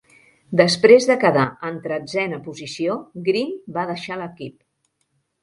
Després de quedar en tretzena posició, Green va deixar l'equip.